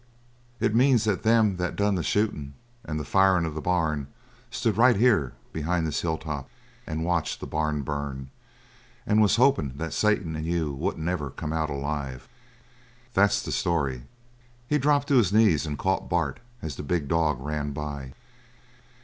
It means that them that done the shootin' and the firin' of the barn stood right here behind this hill top and watched the barn burn and was hopin' that Satan and you wouldn't ever come out alive. That's the story." He dropped to his knees and caught Bart as the big dog ran by.